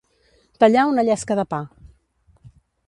Tallar una llesca de pa.